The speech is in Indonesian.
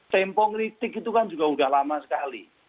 tempo kritik itu kan juga sudah lama sekali